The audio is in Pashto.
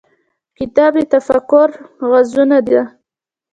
کتاب د تفکر غزونه ده.